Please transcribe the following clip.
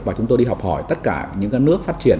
và chúng tôi đi học hỏi tất cả những nước phát triển